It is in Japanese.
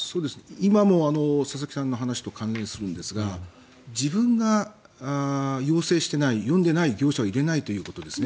今の佐々木さんの話と関連するんですが自分が要請していない呼んでない業者を入れないということですね。